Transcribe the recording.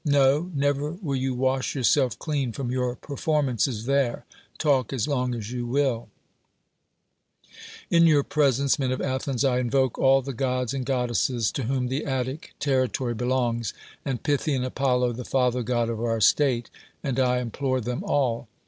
No ! never will you wash A^ourself clean from your performances there — talk as long as you will ! In your presence, men of Athtus, I invoke all the gods and goddesses to whom the Attic terri tory belongs, and Pythian Apollo the Father god of our state ; and I implore them all